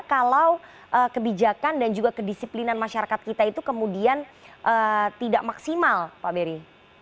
kalau kebijakan dan juga kedisiplinan masyarakat kita itu kemudian tidak maksimal pak beri